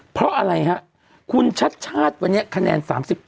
เพราะอะไรฮะคุณชัดชาติวันนี้คะแนน๓๘